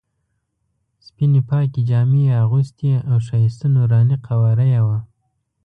سپینې پاکې جامې یې اغوستې او ښایسته نوراني قواره یې وه.